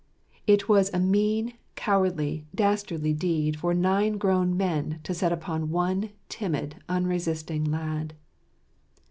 It was a mean, cowardly, dastardly deed for nine grown men to set upon one timid, unresisting lad.